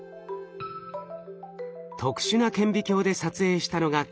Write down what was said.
特殊な顕微鏡で撮影したのがこちら。